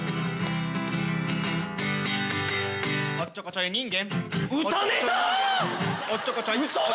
「おっちょこちょい人間！」